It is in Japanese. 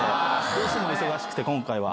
どうしても忙しくて今回は。